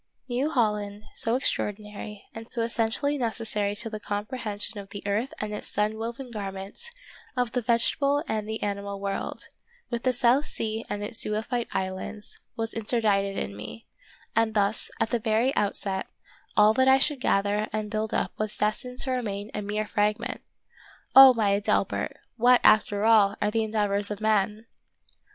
New Holland, so extraordinary, and so essentially necessary to the comprehension of the earth and its sun woven garment, of the vegetable and the animal world, with the South Sea and its zoophyte islands. of Peter Schlemihl. 105 was interdicted to me ; and thus, at the very out set, all that I should gather and build up was destined to remain a mere fragment! Oh, my Adelbert ! what, after all, are the endeavors of men